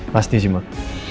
pasti sih mak